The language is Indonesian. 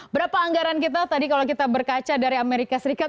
berapa anggaran kita tadi kalau kita berkaca dari amerika serikat